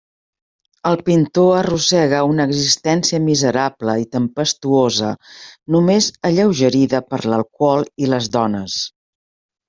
El pintor arrossega una existència miserable i tempestuosa, només alleugerida per l'alcohol i les dones.